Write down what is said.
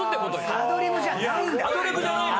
アドリブじゃないの！